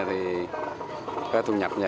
thì cái thu nhập nha